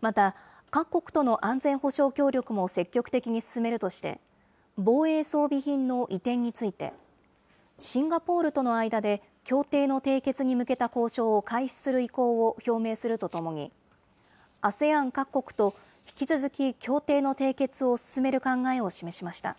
また、各国との安全保障協力も積極的に進めるとして、防衛装備品の移転について、シンガポールとの間で協定の締結に向けた交渉を開始する意向を表明するとともに、ＡＳＥＡＮ各国と引き続き協定の締結を進める考えを示しました。